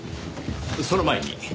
その前に。